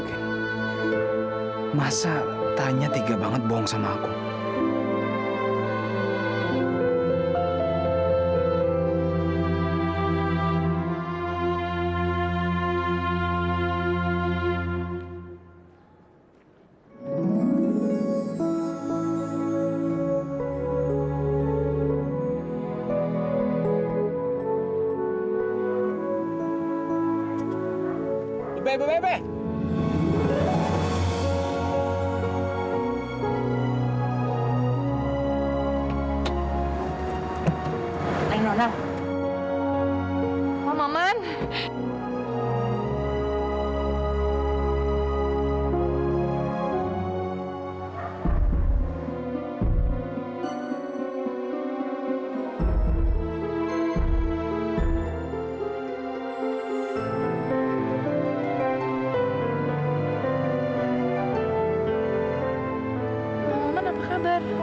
teman teman apa kabar